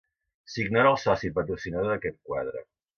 S'ignora el soci patrocinador d'aquest quadre.